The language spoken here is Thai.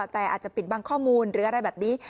แต่อาจจะปิดบังข้อมูลหรืออะไรแบบนี้